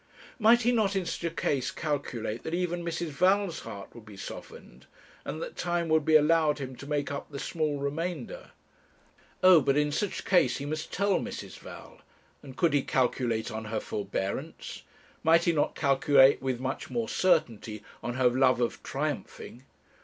Might he not, in such a case, calculate that even Mrs. Val's heart would be softened, and that time would be allowed him to make up the small remainder? Oh, but in such case he must tell Mrs. Val; and could he calculate on her forbearance? Might he not calculate with much more certainty on her love of triumphing?